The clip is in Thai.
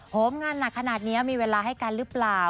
งานหนักขนาดนี้มีเวลาให้กันหรือเปล่า